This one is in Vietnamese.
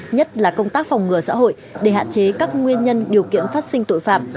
nhất là công tác phòng ngừa xã hội để hạn chế các nguyên nhân điều kiện phát sinh tội phạm